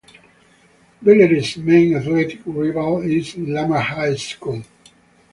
Bellaire's main athletic rival is Lamar High School.